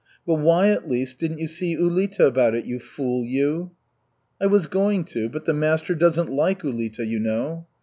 But why at least didn't you see Ulita about it, you fool, you?" "I was going to, but the master doesn't like Ulita, you know."